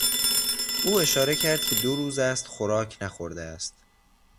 او اشاره کرد که دو روز است خوراک نخورده است.